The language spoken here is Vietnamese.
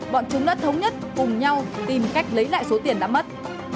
bọn chúng đã thống nhất cùng nhau tìm cách lấy lại số tiền đã mất